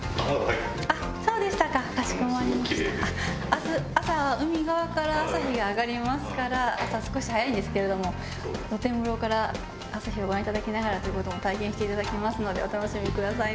明日朝海側から朝日が上がりますから朝少し早いんですけれども露天風呂から朝日をご覧いただきながらという事も体験していただけますのでお楽しみくださいませ。